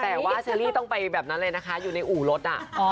แต่ว่าเชอรี่ต้องไปแบบนั้นเลยนะคะอยู่ในอู่รถ